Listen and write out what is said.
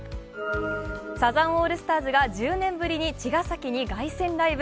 サザンオールスターズが１０年ぶりに茅ヶ崎に凱旋ライブ。